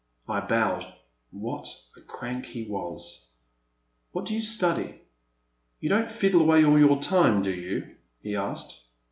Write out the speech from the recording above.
I bowed. What a crank he was !What do you study ? You don't fiddle away all your time, do you ?" he asked.